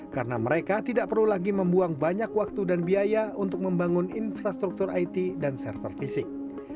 karena mereka tidak perlu lagi membuang banyak waktu dan biaya untuk membangun infrastruktur it dan server fisik